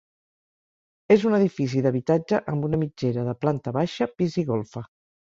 És un edifici d'habitatge amb una mitgera, de planta baixa, pis i golfa.